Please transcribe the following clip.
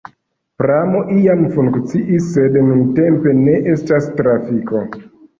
Pramo iam funkciis, sed nuntempe ne estas trafiko.